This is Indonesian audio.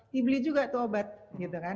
dibeli juga tuh obat gitu kan